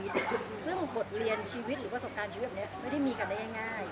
ซึ่งบทเรียนชีวิตหรือประสบการณ์ชีวิตแบบนี้ไม่ได้มีกันได้ง่าย